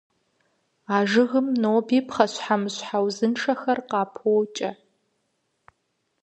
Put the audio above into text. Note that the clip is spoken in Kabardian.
А жыгхэм ноби пхъэщхьэмыщхьэ узыншэхэр къапокӀэ.